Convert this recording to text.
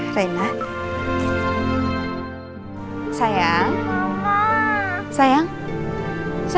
aku telepon mama deh